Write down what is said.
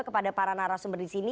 kepada para narasumber disini